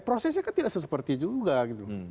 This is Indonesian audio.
prosesnya kan tidak seseperti juga gitu